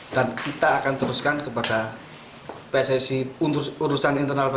dan kita akan teruskan kepada pssi untuk urusan interaksi